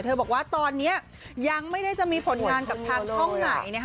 บอกว่าตอนนี้ยังไม่ได้จะมีผลงานกับทางช่องไหน